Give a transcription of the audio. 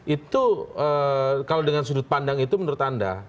itu kalau dengan sudut pandang itu menurut anda